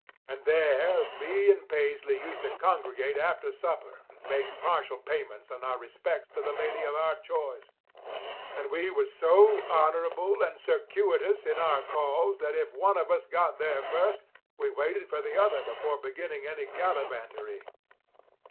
And there me and Paisley used to congregate after supper and make partial payments on our respects to the lady of our choice. And we was so honorable and circuitous in our calls that if one of us got there first we waited for the other before beginning any gallivantery.